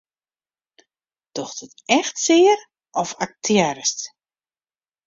Docht it echt sear of aktearrest?